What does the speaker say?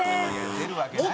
出るわけない。